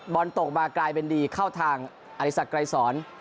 บอลตกมากลายเป็นดีเข้าทางอดิษฐกรายสอน